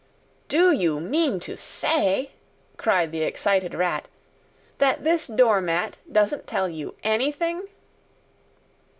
"Do—you—mean—to—say," cried the excited Rat, "that this door mat doesn't tell you anything?"